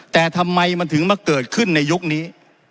แต่ทำไมมันถึงมาเกิดขึ้นในยุคนี้